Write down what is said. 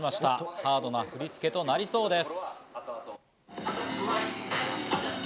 ハードな振り付けとなりそうです。